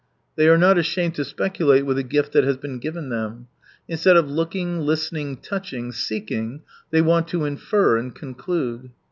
They are not ashamed to specu late with a gift that has been given them. Instead of looking, listerung, touching, seeking, they want to infer and conclude.